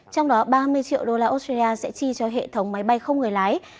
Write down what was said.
trong đó ba mươi triệu đô la australia sẽ chi cho hệ thống máy bay không người lái